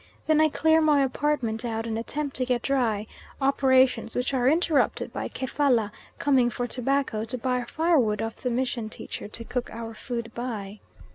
Then I clear my apartment out and attempt to get dry, operations which are interrupted by Kefalla coming for tobacco to buy firewood off the mission teacher to cook our food by.